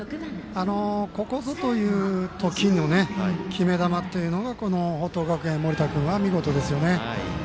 ここぞというときの決め球というのがこの報徳学園、盛田君は見事ですよね。